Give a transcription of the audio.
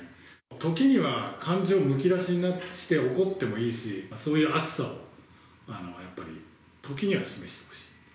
時には感情をむき出しにして、怒ってもいいし、そういう熱さを、やっぱり時には示してほしい。